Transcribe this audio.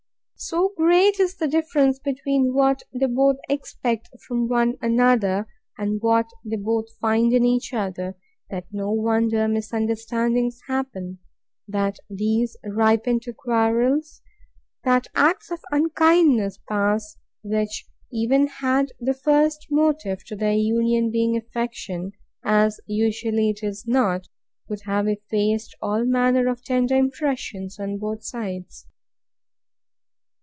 So great is the difference between what they both expect from one another, and what they both find in each other, that no wonder misunderstandings happen; that these ripen to quarrels; that acts of unkindness pass, which, even had the first motive to their union been affection, as usually it is not, would have effaced all manner of tender impressions on both sides.